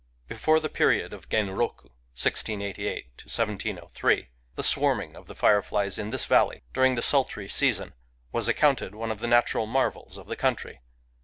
Before the Period of Genroku (1688 1703), the swarming of the fireflies in this valley, during the sultry season, was accounted one of the natural marvels of the country.